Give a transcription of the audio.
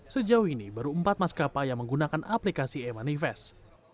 sejauh ini baru empat maskapai yang menggunakan aplikasi e manifest